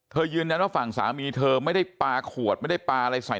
ยืนยันว่าฝั่งสามีเธอไม่ได้ปลาขวดไม่ได้ปลาอะไรใส่